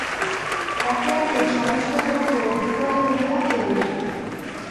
একে একে সমস্ত দ্রব্য বিক্রয় করিয়া ফেলিলেন।